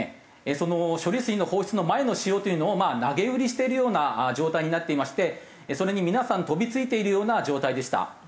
その処理水の放出の前の塩というのを投げ売りしているような状態になっていましてそれに皆さん飛びついているような状態でした。